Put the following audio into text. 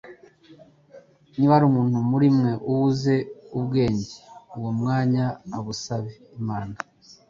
"Niba hari umuntu muri mwe ubuze ubwenge uwo mwanya abusabe Imana